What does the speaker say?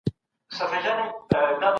د نورو مفسرینو په اند خلیفه هماغه ادم دی.